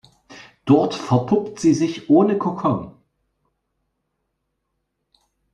Dort verpuppt sie sich ohne Kokon.